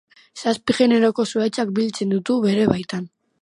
Zazpi generoko zuhaitzak biltzen ditu bere baitan.